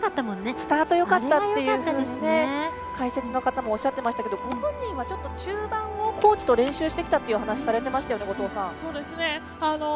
スタートよかったと解説の方もおっしゃっていましたがご本人は中盤をコーチと練習してきたとお話をされていましたね後藤さん。